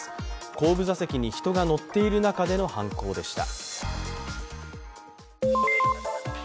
後部座席に人が乗っている中での犯行でした。